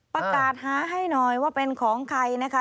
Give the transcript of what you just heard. ประกาศหาให้หน่อยว่าเป็นของใครนะคะ